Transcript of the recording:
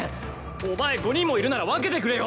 お前５人もいるなら分けてくれよ！